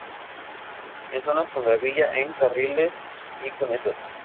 En zonas con gravilla, en carriles y cunetas.